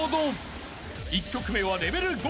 ［１曲目はレベル５から］